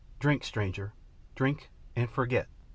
drink stranger, drink and forget!"